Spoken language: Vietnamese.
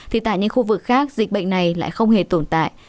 thì tại những khu vực khác dịch bệnh này lại không hề tồn tại